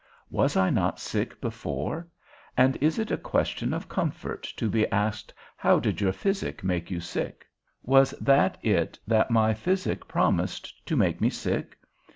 Was I not sick before? And is it a question of comfort to be asked now, did your physic make you sick? Was that it that my physic promised, to make me sick?